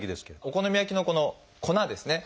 お好み焼きのこの粉ですね